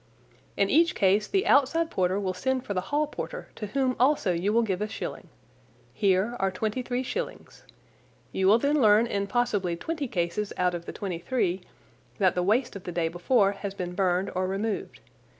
"In each case the outside porter will send for the hall porter, to whom also you will give a shilling. Here are twenty three shillings. You will then learn in possibly twenty cases out of the twenty three that the waste of the day before has been burned or removed.